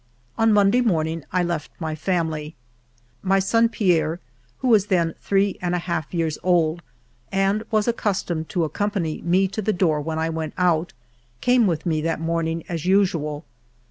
On Monday morning I left my family. My son Pierre, who was then three and a half years old and was accustomed to accompany me to the door when I went out, came with me that morn ing as usual.